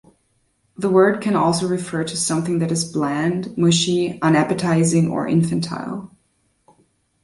The word can also refer to something that is bland, mushy, unappetizing, or infantile.